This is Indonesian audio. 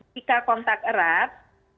jika kontak erat